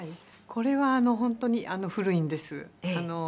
これはホントに古いんです。